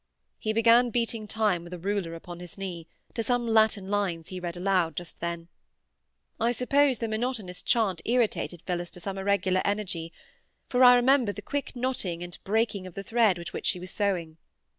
He began beating time with a ruler upon his knee, to some Latin lines he read aloud just then. I suppose the monotonous chant irritated Phillis to some irregular energy, for I remember the quick knotting and breaking of the thread with which she was sewing.